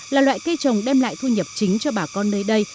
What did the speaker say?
là loại cây trồng đem lại thu nhập chính cho bà con nơi đây